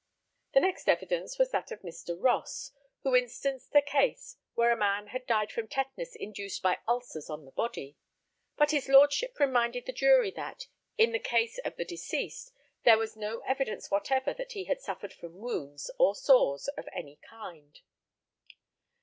The next evidence was that of Mr. Ross, who instanced a case where a man had died from tetanus induced by ulcers on the body; but his lordship reminded the jury that, in the case of the deceased, there was no evidence whatever that he had suffered from wounds or sores of any kind.